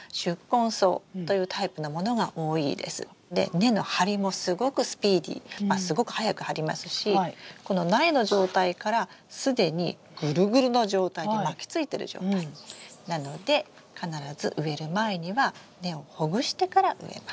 根の張りもすごくスピーディーすごく早く張りますしこの苗の状態から既にグルグルの状態に巻きついてる状態なので必ず植える前には根をほぐしてから植えます。